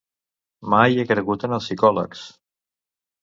Mai he cregut en els psicòlegs